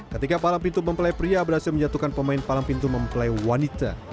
ketika palang pintu mempelai pria berhasil menjatuhkan pemain palang pintu mempelai wanita